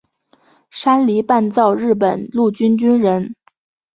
山梨半造日本陆军军人。